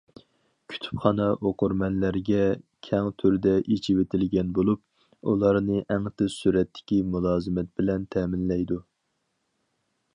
كۇتۇپخانا ئوقۇرمەنلەرگە كەڭ تۈردە ئېچىۋېتىلگەن بولۇپ، ئۇلارنى ئەڭ تېز سۈرئەتتىكى مۇلازىمەت بىلەن تەمىنلەيدۇ.